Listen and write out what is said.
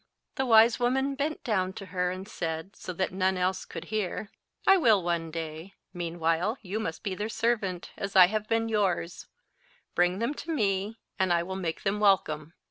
The wise woman bent down to her, and said, so that none else could hear, "I will one day. Meanwhile you must be their servant, as I have been yours. Bring them to me, and I will make them welcome."